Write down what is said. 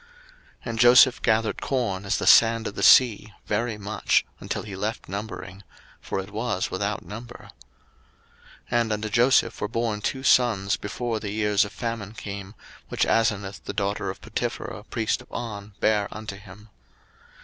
01:041:049 And Joseph gathered corn as the sand of the sea, very much, until he left numbering; for it was without number. 01:041:050 And unto Joseph were born two sons before the years of famine came, which Asenath the daughter of Potipherah priest of On bare unto him.